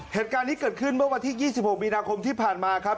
เหตุการณ์นี้เกิดขึ้นเมื่อวันที่๒๖มีนาคมที่ผ่านมาครับ